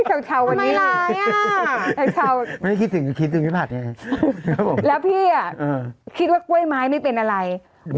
เสาร์เฉาวันนี้เหมือนชาวทำไมล้าย